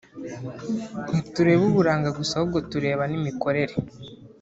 ntitureba uburanga gusa ahubwo tureba n’imikorere